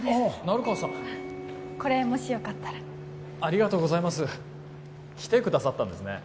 成川さんこれもしよかったらありがとうございます来てくださったんですね